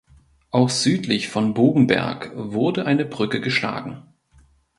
Auch südlich von Bogenberg wurde eine Brücke geschlagen.